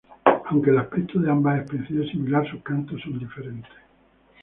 Aunque el aspecto de ambas especies es similar, sus cantos son diferentes.